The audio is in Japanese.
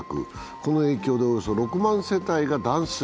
この影響でおよそ６万世帯が断水。